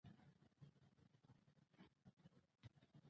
په پارسي یې وویل چاره نه لرم.